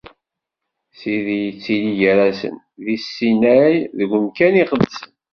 Sidi yettili gar-asen, di Sinay, deg umkan iqedsen.